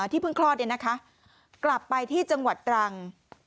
ที่เพิ่งคลอดกลับไปที่จังหวัดตรัง